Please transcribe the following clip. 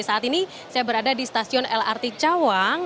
saat ini saya berada di stasiun lrt cawang